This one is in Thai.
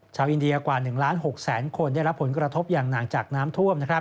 ชาวอินเดียกว่า๑ล้าน๖แสนคนได้รับผลกระทบอย่างหนักจากน้ำท่วม